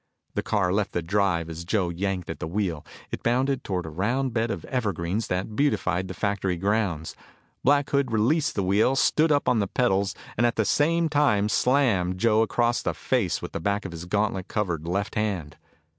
The car left the drive as Joe yanked at the wheel. It bounded toward a round bed of evergreens that beautified the factory grounds. Black Hood released the wheel, stood up on the pedals, and at the same time slammed Joe across the face with the back of his gauntlet covered left hand.